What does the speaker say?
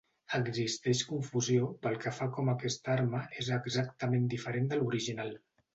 Existeix confusió pel que fa a com aquesta arma és exactament diferent de l'original.